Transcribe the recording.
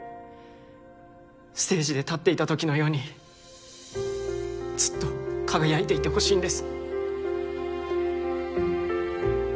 ステージで立っていたときのようにずっと輝いていてほしいんです。